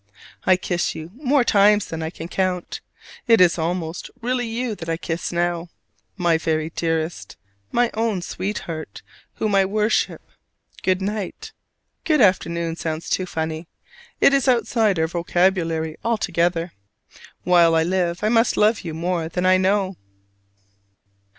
I kiss you more times than I can count: it is almost really you that I kiss now! My very dearest, my own sweetheart, whom I so worship. Good night! "Good afternoon" sounds too funny: is outside our vocabulary altogether. While I live, I must love you more than I know!